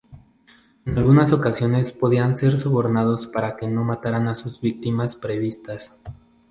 En algunas ocasiones, podían ser sobornados para que no mataran a sus víctimas previstas.